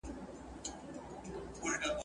پوښتنې په مینه ځواب شوې دي.